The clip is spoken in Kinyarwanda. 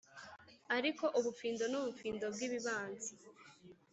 ariko ubufindo nubufindo - bwibibanza.